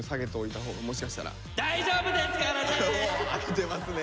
お出ますね。